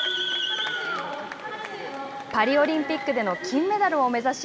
パリオリンピックでの金メダルを目指し